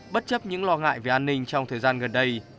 bất chấp những lo ngại về an ninh trong thời gian gần đây